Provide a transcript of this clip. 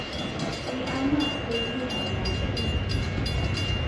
ni ama kuyni a wacu.